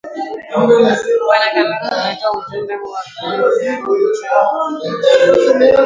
bwana cameron ametoa ujumbe huo akiwa ziarani nchini china